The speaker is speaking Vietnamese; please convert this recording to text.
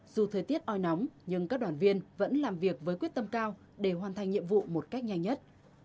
dù thời tiết oi nóng nhưng các đoàn viên vẫn làm việc với quyết tâm cao để hoàn thành nhiệm vụ một cách nhanh nhất